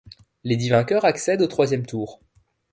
Les dix vainqueurs accèdent au troisième tour.